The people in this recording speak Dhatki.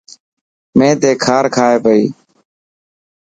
مين تي کار کائي پئي.